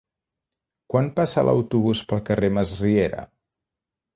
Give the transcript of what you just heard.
Quan passa l'autobús pel carrer Masriera?